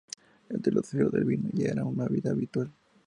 Entre los íberos, el vino ya era una bebida habitual.